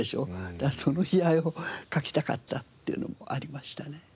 だからその悲哀を書きたかったっていうのもありましたね。